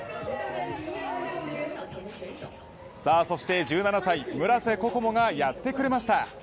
そして、１７歳村瀬心椛がやってくれました。